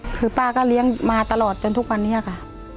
คือป้าก็เลี้ยงมาตลอดจนทุกวันนี้ค่ะ